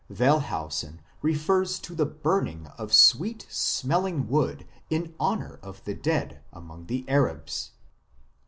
a Wellhausen refers to the burning of sweet smelling wood in honour of the dead among the Arabs.